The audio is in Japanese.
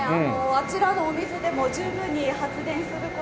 あちらのお水でも十分に発電する事が。